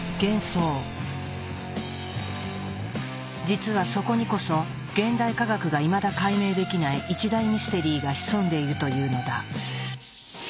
実はそこにこそ現代科学がいまだ解明できない一大ミステリーが潜んでいるというのだ。